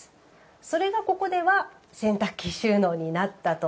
それがここでは洗濯機収納になったと。